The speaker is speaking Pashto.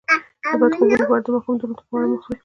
د بد خوبونو لپاره د ماښام دروند خواړه مه خورئ